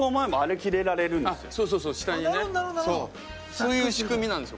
そういう仕組みなんですよ